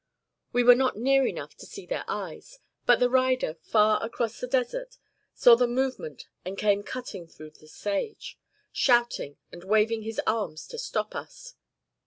We were not near enough to see their eyes, but the rider, far across the desert, saw the movement and came cutting through the sage, shouting and waving his arms to stop us.